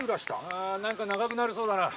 あ何か長くなりそうだな。